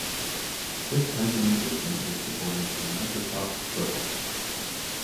This implementation is supported in Microsoft Silverlight.